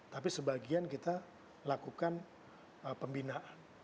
tapi sebagian kita lakukan pembinaan